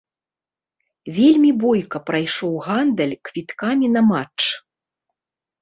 Вельмі бойка прайшоў гандаль квіткамі на матч.